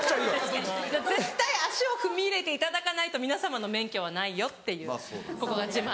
絶対足を踏み入れていただかないと皆様の免許はないよっていうここが自慢。